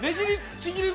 ちぎれる。